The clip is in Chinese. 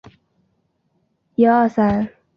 让自己真的快乐起来